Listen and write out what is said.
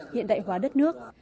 hiện đại hóa đất nước